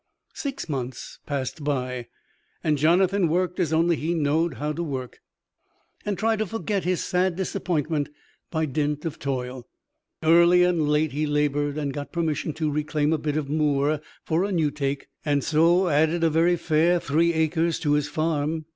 Six months passed by, and Jonathan worked as only he knowed how to work, and tried to forget his sad disappointment by dint of toil. Early and late he labored, and got permission to reclaim a bit of moor for a "newtake," and so added a very fair three acres to his farm.